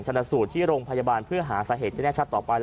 ทันศูนย์ที่โรงพยาบาลเพื่อหาเหตุในแน่ชัดต่อไป